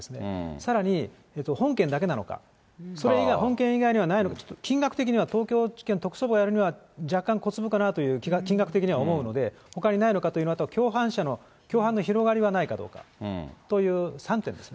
さらに本件だけなのか、それ以外、本件以外にはないのか、ちょっと金額的には東京地検特捜部がやるには若干小粒かなという、金額的には思うので、ほかにないのかというのと、あと、共犯者の、共犯の広がりはないかどうかという、３点ですね。